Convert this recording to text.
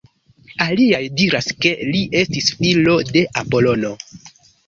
Aliaj diras ke li estis filo de Apolono.